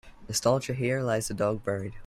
Nostalgia Here lies the dog buried.